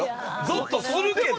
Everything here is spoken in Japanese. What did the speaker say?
ゾッとするけど！